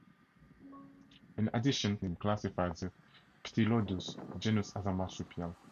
In addition, Cope mistakenly classified the "Ptilodus" genus as a marsupial.